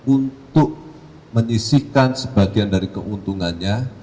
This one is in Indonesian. untuk menyisihkan sebagian dari keuntungannya